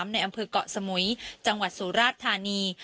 ในอำเภอกเกาะสมุยจังหวัดสุราชธานี